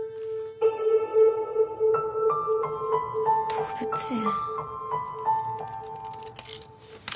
動物園。